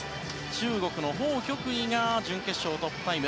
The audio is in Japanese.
中国、ホウ・キョクイが準決勝トップタイム。